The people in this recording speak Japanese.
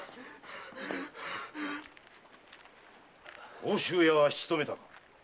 甲州屋はしとめたか？